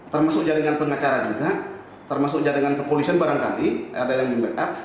termasuk jaringan pengacara juga termasuk jaringan kepolisian barangkali ada yang membackup